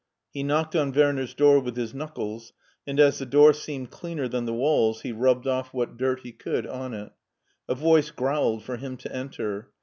He knocked on Werner's door with his knuckles, and as the door seemed cleaner than the walls he rubbed off what dirt he could on it. A voice growled for him to enter.